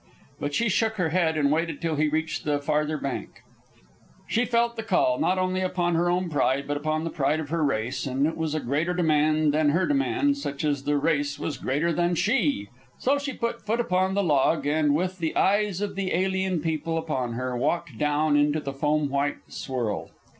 But she shook her head and waited till he reached the farther bank; for she felt the call, not only upon her own pride, but upon the pride of her race; and it was a greater demand than her demand, just as the race was greater than she. So she put foot upon the log, and, with the eyes of the alien people upon her, walked down into the foam white swirl.